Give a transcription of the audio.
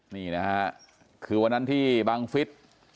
นี่นะฮะคือวันนั้นที่บังฟิศ